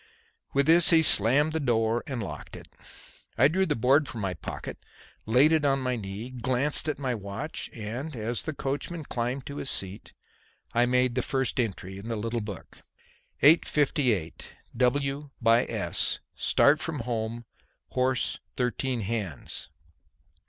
With this he slammed the door and locked it. I drew the board from my pocket, laid it on my knee, glanced at my watch, and, as the coachman climbed to his seat, I made the first entry in the little book. "8.58. W. by S. Start from home. Horse 13 hands."